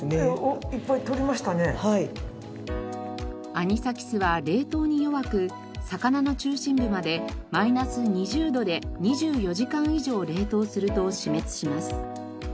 アニサキスは冷凍に弱く魚の中心部までマイナス２０度で２４時間以上冷凍すると死滅します。